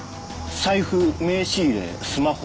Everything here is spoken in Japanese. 財布名刺入れスマホ。